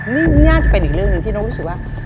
นี่น่าจะเป็นอีกเรื่องหนึ่งที่น้องรู้สึกว่า